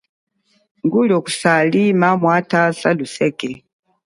Nguli wa kusali lia mwatha saluseke.